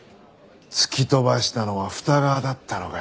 突き飛ばしたのは二川だったのか。